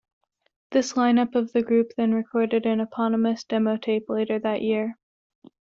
This line-up of the group then recorded an eponymous demo tape later that year.